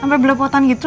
sampai belopotan gitu loh